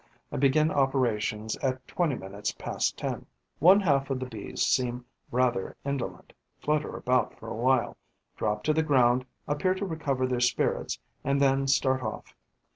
I begin operations at twenty minutes past ten. One half of the Bees seem rather indolent, flutter about for a while, drop to the ground, appear to recover their spirits and then start off.